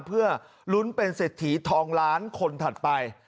เพื่อลุ้นเป็นเศรษฐีทองล้านคนถัดไป